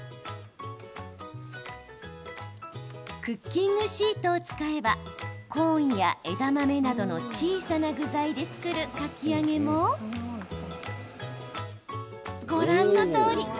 クッキングシートを使えばコーンや枝豆などの小さな具材で作るかき揚げもご覧のとおり。